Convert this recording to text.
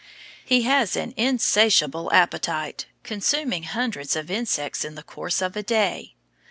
He has an insatiable appetite, consuming hundreds of insects in the course of a day.